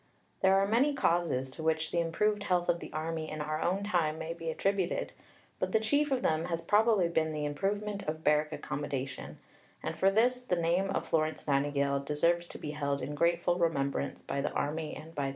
There are many causes to which the improved health of the Army in our own time may be attributed, but the chief of them has probably been the improvement of barrack accommodation, and for this the name of Florence Nightingale deserves to be held in grateful remembrance by the Army and by the nation.